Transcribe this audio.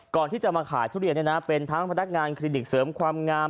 ก่อนที่จะมาขายทุเรียนเป็นทั้งพนักงานคลินิกเสริมความงาม